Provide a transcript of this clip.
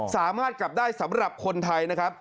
สามารถกลับได้สำหรับคนไทยนะครับ